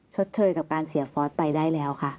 ชดเชยกับการเสียฟอสไปได้แล้วค่ะ